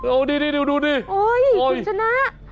โอ้ดูคุณชนะ